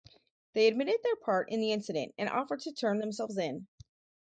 They admitted their part in the incident and offered to turn themselves in.